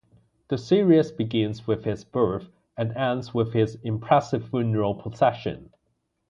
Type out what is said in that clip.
The series begins with his birth and ends with his impressive funeral procession.